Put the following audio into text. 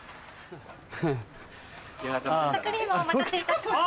ソフトクリームお待たせいたしました。